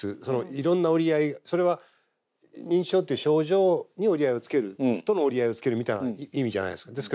そのいろんな折り合いそれは認知症という症状に折り合いをつけるとの折り合いをつけるみたいな意味じゃないですか。